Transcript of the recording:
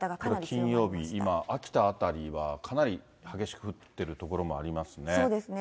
金曜日、秋田辺りはかなり激しく降ってる所もありますね。